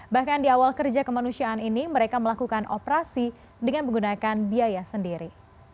bahkan di awal kerja kemanusiaan ini mereka melakukan operasi dengan menggunakan biaya sendiri